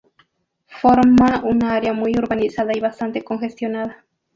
Forma un área muy urbanizada y bastante congestionada.